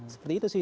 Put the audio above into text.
seperti itu sih